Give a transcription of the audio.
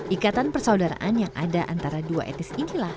ikatan persaudaraan yang ada antara dua etnis inilah